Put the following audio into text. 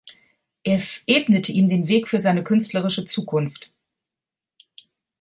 Es ebnete ihm den Weg für seine künstlerische Zukunft.